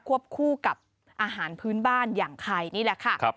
วบคู่กับอาหารพื้นบ้านอย่างไข่นี่แหละค่ะ